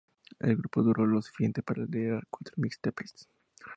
El grupo duró lo suficiente para liberar cuatro mixtapes.